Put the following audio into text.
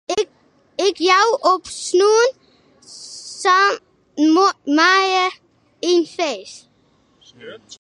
Ik jou op sneon sân maaie in feest.